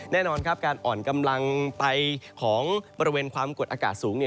แน่นอนครับการอ่อนกำลังไปของบริเวณความกดอากาศสูง